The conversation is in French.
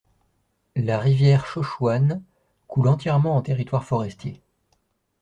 La rivière Chochouane coule entièrement en territoire forestier.